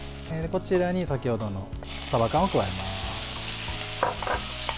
こちらに先ほどのさば缶を加えます。